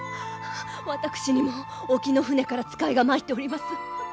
私にも沖の船から使いが参っております。